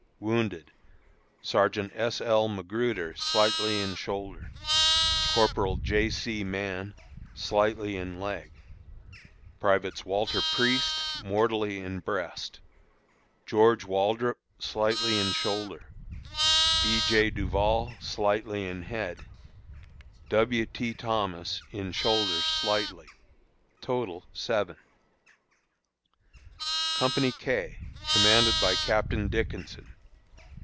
Wounded: Sergeant S. L. McGruder, slightly in shoulder; Corporal J. C. Mann, slightly in leg; Privates Walter Priest, mortally in breast; George Waldrop, slightly in shoulder; B. J. Duval, slightly in head; W. T. Thomas, in shoulder slightly. Total, 7. Company K, commanded by Captain Dickinson.